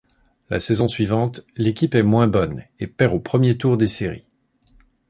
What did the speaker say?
La saison suivante, l'équipe est moins bonne et perd au premier tour des séries.